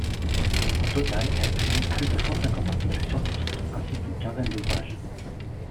Au total, elle publie plus de cent cinquante articles scientifiques, ainsi qu'une quinzaine d'ouvrages.